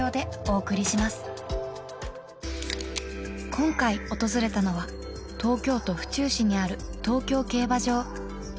今回訪れたのは東京都府中市にある東京競馬場